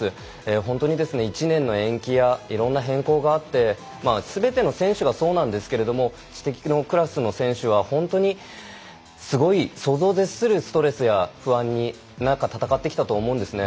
本当に１年の延期やいろんな変更があってすべての選手がそうなんですけれども知的のクラスの選手は本当にすごい想像を絶するストレスや不安の中、戦ってきたと思うんですね。